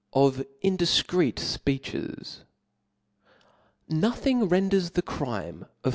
XIL Of indifcreet Speeches. TVr O T H I N G renders the crime of h!